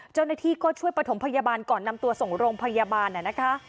เจ้าหน้าที่ก็ช่วยประถมพยาบาลก่อนนำตัวส่งโรงพยาบาลนะคะ